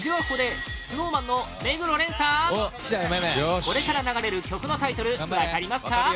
これから流れる曲のタイトル分かりますか？